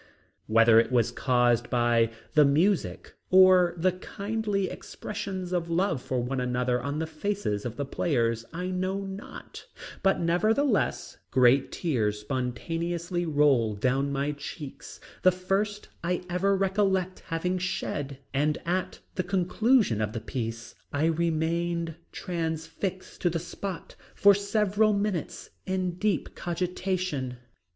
Whether it was caused by the music or the kindly expressions of love for one another on the faces of the players I know not, but nevertheless great tears spontaneously rolled down my cheeks, the first I ever recollect having shed, and at the conclusion of the piece I remained transfixed to the spot for several minutes in deep cogitation.